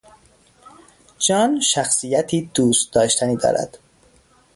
جان شخصیتی دوست داشتنی دارد.